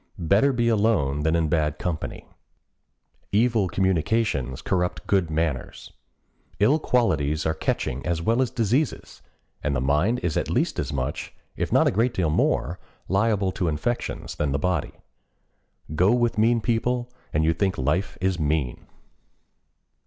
Better be alone than in bad company. "Evil communications corrupt good manners." Ill qualities are catching as well as diseases, and the mind is at least as much, if not a great deal more, liable to infections than the body. Go with mean people and you think life is mean.